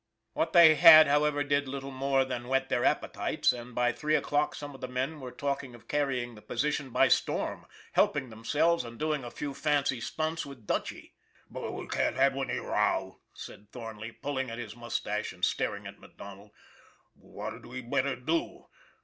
What they had, however, did little more than whet their appetites, and by three o'clock some of the men were talking of carrying the position by storm, help ing themselves, and doing a few fancy stunts with Dutchy. :< We can't have any row," said Thornley, pulling at his mustache and staring at MacDonald. " What had we better do?